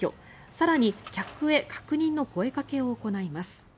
更に、客へ確認の声掛けを行います。